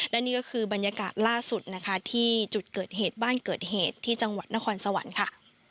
และนี่ก็คือบรรยากาศล่าสุดนะคะที่จุดเกิดเหตุบ้านเกิดเหตุที่จังหวัดนครสวรรค์ค่ะ